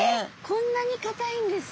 こんなにかたいんです。